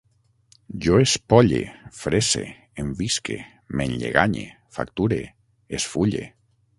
Jo espolle, fresse, envisque, m'enlleganye, facture, esfulle